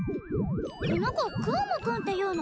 この子くぅもくんっていうの？